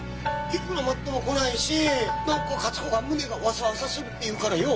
いくら待っても来ないし何か勝子が胸がワサワサするって言うからよ